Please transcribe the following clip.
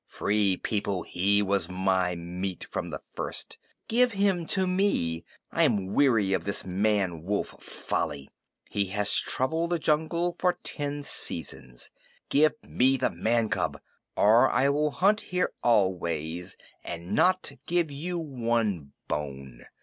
Free People, he was my meat from the first. Give him to me. I am weary of this man wolf folly. He has troubled the jungle for ten seasons. Give me the man cub, or I will hunt here always, and not give you one bone.